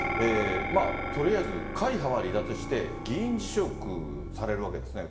とりあえず会派は離脱して、議員辞職されるわけですね。